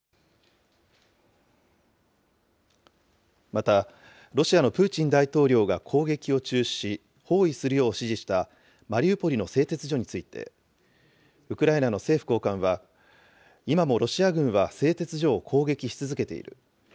また、ロシアのプーチン大統領が攻撃を中止し、包囲するよう指示したマリウポリの製鉄所について、ウクライナの政府高官は、今もロシア軍は製鉄所を攻撃し続けている。